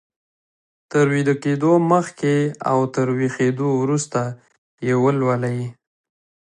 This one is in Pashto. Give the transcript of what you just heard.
تر ويده کېدو مخکې او تر ويښېدو وروسته يې ولولئ.